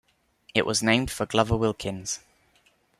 It was named for Glover Wilkins.